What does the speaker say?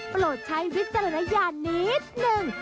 โปรดใช้วิจารณญาณนิดนึง